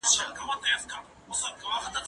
زه له سهاره سبزیحات تياروم؟